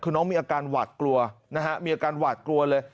คือน้องมีอาการหวาดกลัวนะฮะมีอาการหวาดกลัวเลย